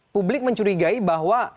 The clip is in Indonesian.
publik mencurigai bahwa